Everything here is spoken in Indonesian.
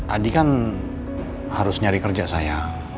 adi kan harus nyari kerja saya